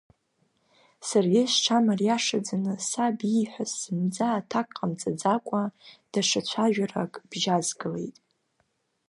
Саргьы сҽамариашаӡаны саб ииҳәаз зынӡа аҭак ҟамҵаӡакәан, даҽа цәажәарак бжьазгалеит.